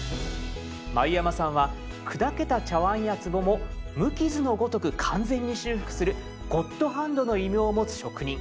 繭山さんは砕けた茶碗やつぼも無傷のごとく完全に修復する「ゴッドハンド」の異名を持つ職人。